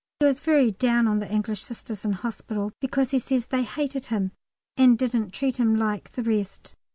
He was very down on the English Sisters in hospital, because he says they hated him and didn't treat him like the rest.